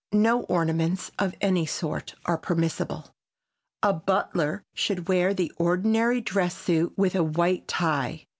No ornaments of any sort are permissible. A butler should wear the ordinary dress suit with a white tie.